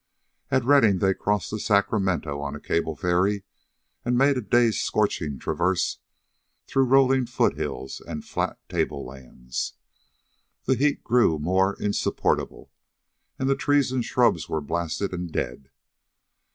At Redding they crossed the Sacramento on a cable ferry, and made a day's scorching traverse through rolling foot hills and flat tablelands. The heat grew more insupportable, and the trees and shrubs were blasted and dead.